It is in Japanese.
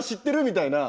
みたいな。